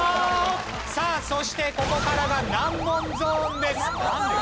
さあそしてここからが難問ゾーンです。